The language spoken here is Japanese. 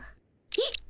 えっ？